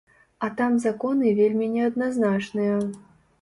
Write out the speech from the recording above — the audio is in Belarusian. А там законы вельмі неадназначныя.